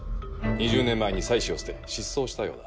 ２０年前に妻子を捨て失踪したようだ。